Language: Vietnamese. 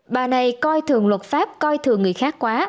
bà này coi thường luật pháp coi thường người khác quá